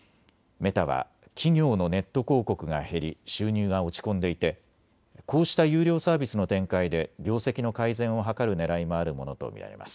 メタは企業のネット広告が減り収入が落ち込んでいてこうした有料サービスの展開で業績の改善を図るねらいもあるものと見られます。